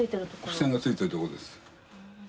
付箋が付いてるとこです。